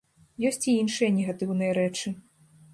Ёсць і іншыя негатыўныя рэчы.